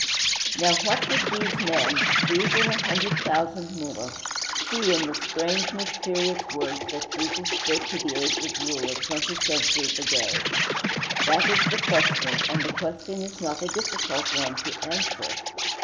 III Now, what did these men these and a hundred thousand more see in the strange, mysterious words that Jesus spoke to the aged ruler twenty centuries ago? That is the question, and the question is not a difficult one to answer.